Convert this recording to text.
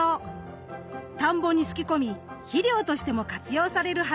田んぼにすき込み肥料としても活用される花です。